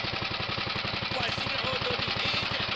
わしのおどりええじゃろ？